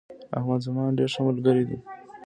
احمد زما ډیر ښه ملگرى دي